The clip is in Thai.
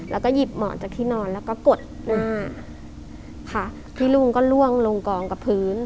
แล้วก็หยิบหมอนจากที่นอนแล้วก็กดหน้าค่ะพี่ลุงก็ล่วงลงกองกับพื้น